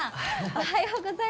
おはようございます。